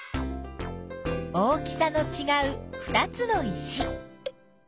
大きさのちがう２つの石。